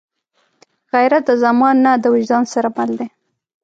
غیرت د زمان نه، د وجدان سره مل دی